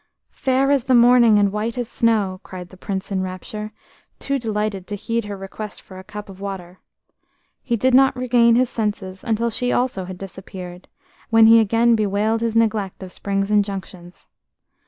"Fair as the morning and white as snow!" cried the Prince in rapture, too delighted to heed her request for a cup of water. He did not regain his senses until she also had disappeared, when he again bewailed his neglect of Spring's injunctions.